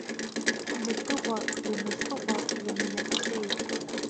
Умыдыгъуэ, умыфыгъуэ, умынэпсей.